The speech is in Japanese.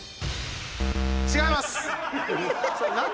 違います。